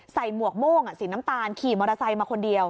หมวกโม่งสีน้ำตาลขี่มอเตอร์ไซค์มาคนเดียว